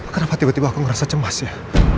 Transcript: kenapa tiba tiba aku ngerasa cemas ya